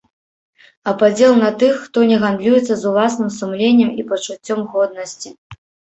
А падзел на тых, хто не гандлюецца з уласным сумленнем і пачуццём годнасці.